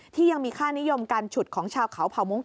ที่ยังมีค่านิยมการฉุดของชาวเขาเผ่ามุ้ง